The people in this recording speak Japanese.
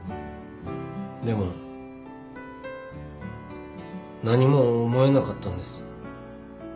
でも何も思えなかったんです。